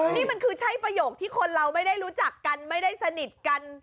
นี่มันคือใช่ประโยคที่คนเราไม่ได้รู้จักกันไม่ได้สนิทกัน